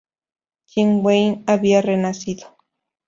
Jingwei había renacido.